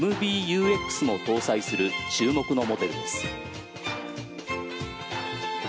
ＭＢＵＸも搭載する注目のモデルです。